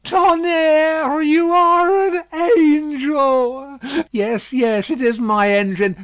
Tonnerre! you are an angel! Yes, yes; it is my engine.